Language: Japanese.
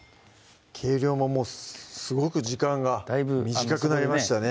計量ももうすごく時間が短くなりましたね